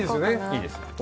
いいですか？